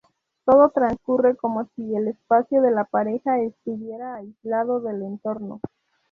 Todo transcurre como si el espacio de la pareja estuviera aislado del entorno.